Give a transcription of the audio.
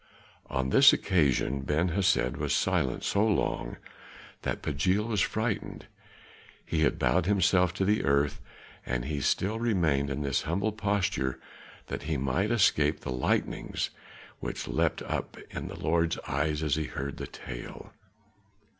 On this occasion Ben Hesed was silent so long that Pagiel was frightened; he had bowed himself to the earth, and he still remained in this humble posture that he might escape the lightnings which leapt up in his lord's eyes as he heard the tale.